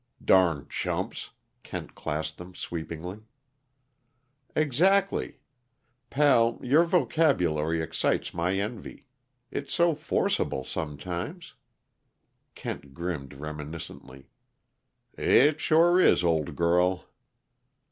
"Darned chumps," Kent classed them sweepingly. "Exactly. Pal, your vocabulary excites my envy. It's so forcible sometimes." Kent grinned reminiscently. "It sure is, old girl."